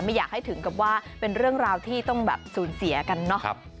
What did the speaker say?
ไม่อยากให้ถึงกับว่าเป็นเรื่องราวที่ต้องแบบสูญเสียกันเนอะ